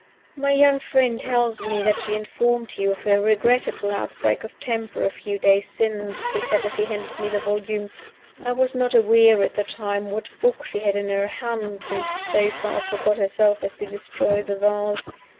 "My young friend tells me that she informed you of her regrettable outbreak of temper a few days since," he said as he handed me the volume. "I was not aware at the time what book she had in her hand when she so far forgot herself as to destroy the vase.